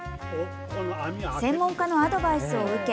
専門家のアドバイスを受け